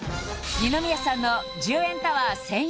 二宮さんの１０円タワー１０００